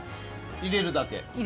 入れるだけ。